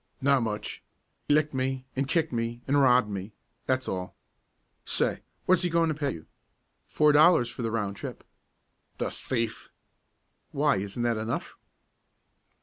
"Not much; licked me, an' kicked me, an' robbed me, that's all. Say, what's he goin' to pay you?" "Four dollars for the round trip." "The thief!" "Why, isn't that enough?"